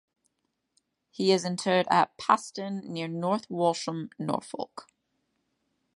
He is interred at Paston, near North Walsham, Norfolk.